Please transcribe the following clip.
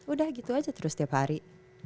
udah gitu aja terus setiap hari